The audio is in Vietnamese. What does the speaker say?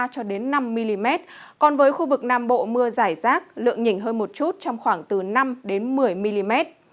cho đến năm mm còn với khu vực nam bộ mưa giải rác lượng nhỉnh hơn một chút trong khoảng từ năm một mươi mm